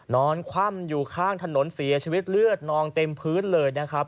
นอนคว่ำอยู่ข้างถนนเสียชีวิตเลือดนองเต็มพื้นเลยนะครับ